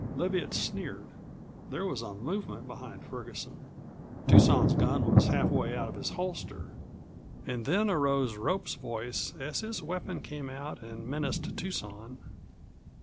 Leviatt sneered. There was a movement behind Ferguson. Tucson's gun was half way out of its holster. And then arose Rope's voice as his weapon came out and menaced Tucson.